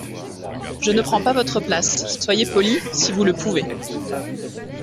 Je ne prends pas votre place… soyez poli… si vous le pouvez…